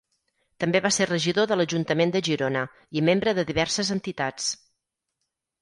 També va ser regidor de l'ajuntament de Girona, i membre de diverses entitats.